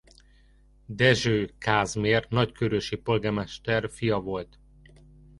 Dezső Kázmér nagykőrösi polgármester fia volt.